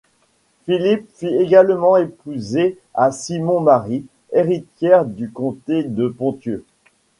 Philippe fit également épouser à Simon Marie, héritière du comté de Ponthieu.